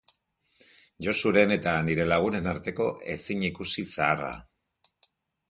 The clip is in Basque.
Josuren eta nire lagunen arteko ezinikusi zaharra.